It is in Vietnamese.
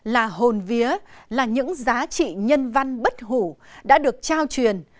là hồn vía là những giá trị nhân văn bất hủ đã được trao truyền